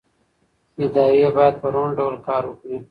ادارې باید په روڼ ډول کار وکړي